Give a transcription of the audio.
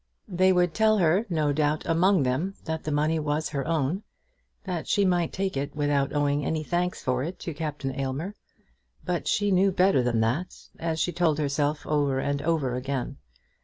They would tell her, no doubt, among them, that the money was her own, that she might take it without owing any thanks for it to Captain Aylmer. But she knew better than that, as she told herself over and over again.